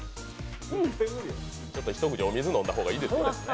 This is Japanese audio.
一口お水飲んだ方がいいですよ。